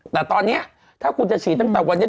แต่ตอนนี้ถ้าคุณจะฉีดตั้งแต่วันนี้